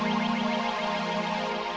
ya aku parrot tutup tarikh ini